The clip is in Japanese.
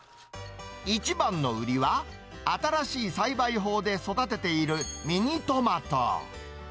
一番の売りは、新しい栽培法で育てているミニトマト。